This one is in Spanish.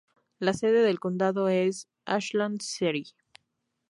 La sede del condado es Ashland City.